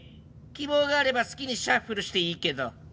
希望があれば好きにシャッフルしていいけど。